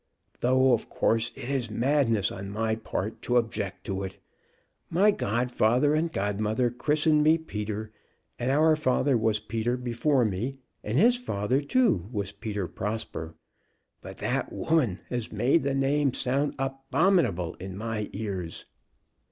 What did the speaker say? "Though of course it is madness on my part to object to it! My godfather and godmother christened me Peter, and our father was Peter before me, and his father too was Peter Prosper. But that woman has made the name sound abominable in my ears."